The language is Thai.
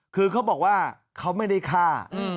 คือเขาบอกว่าเขาไม่ได้ฆ่า